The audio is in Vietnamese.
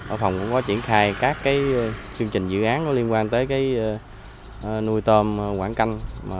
ở phòng cũng có triển khai các chương trình dự án liên quan tới nuôi tôm quảng canh